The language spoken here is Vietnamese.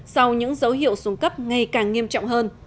sau những dấu hiệu xuống cấp ngày càng nghiêm trọng hơn